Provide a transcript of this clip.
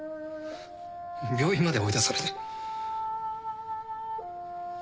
病院まで追い出されて。